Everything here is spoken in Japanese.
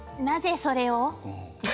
なぜそれを？